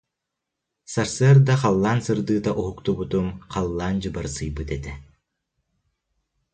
Сарсыарда халлаан сырдыыта уһуктубутум, халлаан дьыбарсыйбыт этэ